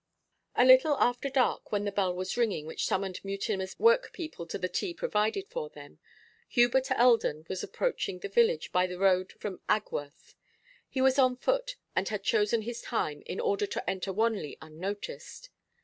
A little after dark, when the bell was ringing which summoned Mutimer's workpeople to the tea provided for them, Hubert Eldon was approaching the village by the road from Agworth: he was on foot, and had chosen his time in order to enter Wanley unnoticed.